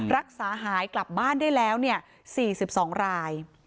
รักษาหายกลับบ้านได้แล้ว๔๒ราย